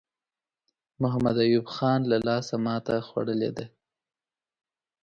محمد ایوب خان له لاسه ماته خوړلې ده.